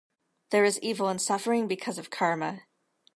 There is evil and suffering because of karma.